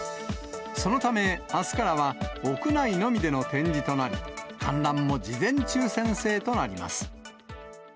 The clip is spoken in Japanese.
そのため、あすからは屋内のみでの展示となり、観覧も事前抽せん制となります。